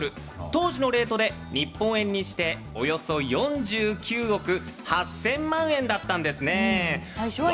当時のレートで日本円にしておよそ４９億８０００万円だったんですね。